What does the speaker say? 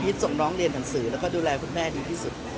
ส่งน้องเรียนหนังสือแล้วก็ดูแลคุณแม่ดีที่สุด